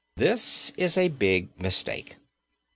This is a big mistake.